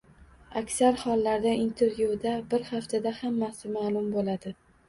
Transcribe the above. Aksar hollarda intervyuda, bir haftada hammasi maʼlum boʻladi.